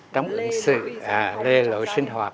trống sự lê lỗi sinh hoạt